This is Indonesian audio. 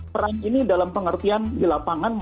peran ini dalam pengertian di lapangan